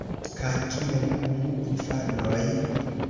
Kaj kiel kun infanoj?